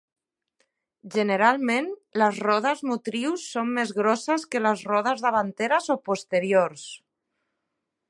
Generalment les rodes motrius són més grosses que les rodes davanteres o posteriors.